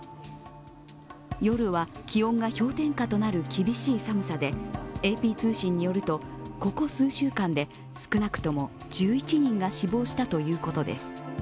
夜は気温が氷点下となる厳しい寒さで、ＡＰ通信によると、ここ数週間で少なくとも１１人が死亡したということです。